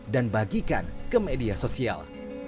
dan bagikan ke media sosial